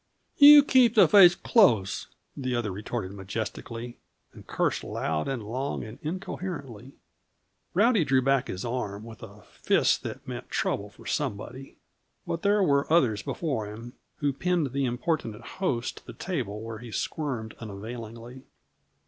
"You keep the face close," the other retorted majestically; and cursed loud and long and incoherently. Rowdy drew back his arm, with a fist that meant trouble for somebody; but there were others before him who pinned the importunate host to the table, where he squirmed unavailingly.